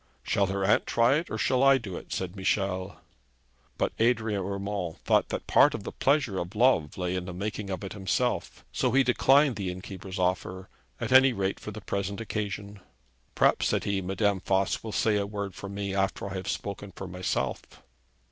'Shall her aunt try it, or shall I do it?' said Michel. But Adrian Urmand thought that part of the pleasure of love lay in the making of it himself. So he declined the innkeeper's offer, at any rate for the present occasion. 'Perhaps,' said he, 'Madame Voss will say a word for me after I have spoken for myself.'